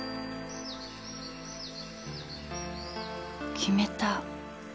決めた。